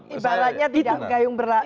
ibaratnya tidak kayu berlambut